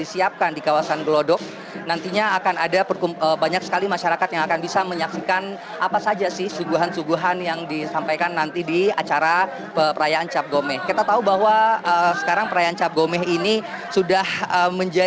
karena kalau kita lihat dari imlek saja masyarakat rendah disini tidak hanya mereka yang merayakan cap gome